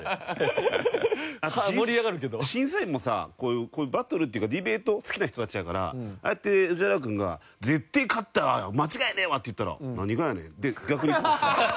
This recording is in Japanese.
審査員もさこういうバトルっていうかディベート好きな人たちやからああやって氏原君が「絶対勝ったわ間違いねえわ」って言ったら「何がやねん」で逆に。